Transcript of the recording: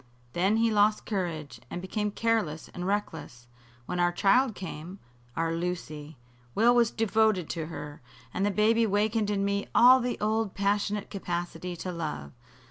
Then he lost courage, and became careless and reckless. When our child came our Lucy Will was devoted to her, and the baby wakened in me all the old passionate capacity to love.